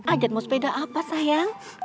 ajatmu sepeda apa sayang